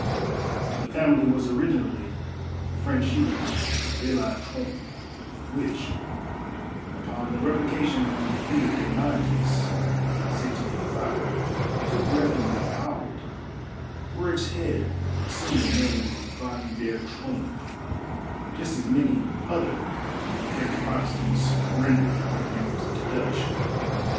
The family was originally French Huguenot — De la Trompe — which, upon the revocation of the Edict of Nantes in 1685, took refuge in Holland, where its head assumed the name of Van der Troomp, just as many other of the French Protes tants rendered their names into Dutch.